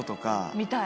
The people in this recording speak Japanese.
見たい。